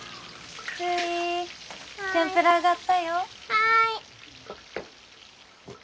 はい！